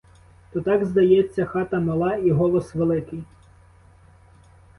То так здається: хата мала — і голос великий.